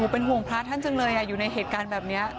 เป็นห่วงพระท่านจังเลยอยู่ในเหตุการณ์แบบนี้